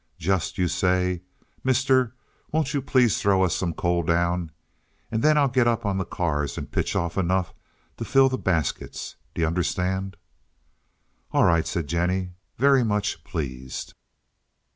Just you say, 'Mister, won't you please throw us some coal down?' and then I'll get up on the cars and pitch off enough to fill the baskets. D'ye understand?" "All right," said Jennie, very much pleased.